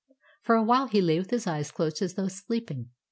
For a while he lay with closed eyes as though sleeping.